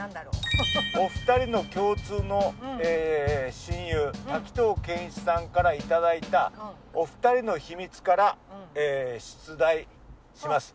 「お二人の共通の親友滝藤賢一さんから頂いたお二人の秘密から出題します」